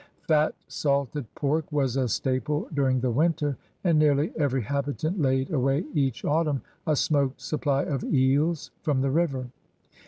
Fat salted pork was a staple during the winter, and nearly every habitant laid away each autumn a smoked supply of eels from the river.